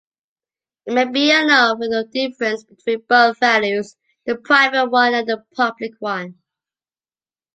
It may be enough with the difference between both values: the private one and the public one.